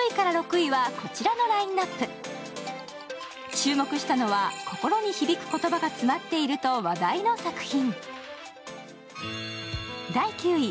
注目したのは心に響く言葉が詰まっていると話題の作品。